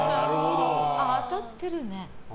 当たってるね。